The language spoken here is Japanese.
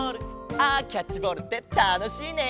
あキャッチボールってたのしいね。